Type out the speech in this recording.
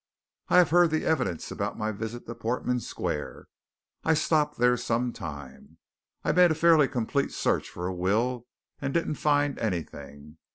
"'"I have heard the evidence about my visit to Portman Square. I stopped there some time. I made a fairly complete search for a will and didn't find anything.